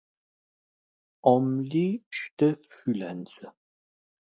handy (sùndi) steht fùllänze